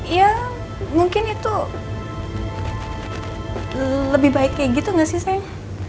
ya mungkin itu lebih baik kayak gitu gak sih saya